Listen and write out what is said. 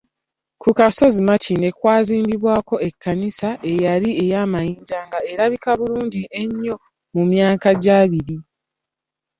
Ku kasozi Makindye kwazimbwako ekkanisa eyali ey’amayinja nga erabika bulungi eyo mu myaka gy'abiri.